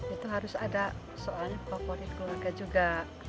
itu harus ada soalnya favorit keluarga juga